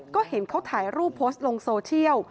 ก็เห็นเขาถ่ายรูปโพสต์ลงโซเชียล